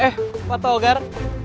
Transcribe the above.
eh pak togar